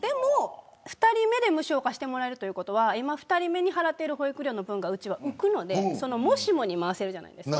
２人目で無償化してもらえるということは２人目に払っている保育料の分が浮くのでもしもに回せるじゃないですか。